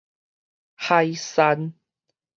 海山